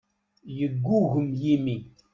Yeggugem yimi.